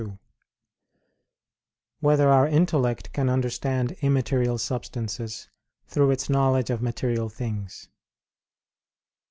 2] Whether Our Intellect Can Understand Immaterial Substances Through Its Knowledge of Material Things?